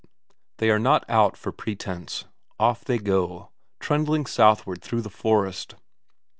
They are not out for pretence. Off they go, trundling southward through the forest.